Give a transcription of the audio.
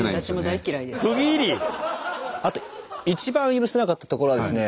あと一番許せなかったところはですね